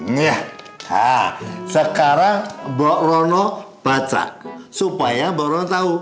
nah sekarang mbak rono baca supaya mbak rono tahu